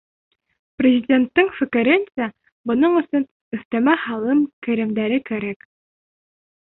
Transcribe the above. Президенттың фекеренсә, бының өсөн өҫтәмә һалым керемдәре кәрәк.